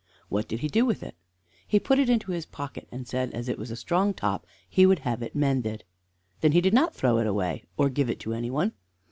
"What did he do with it?" "He put it into his pocket, and said as it was a strong top he would have it mended." "Then he did not throw it away, or give it to any one?"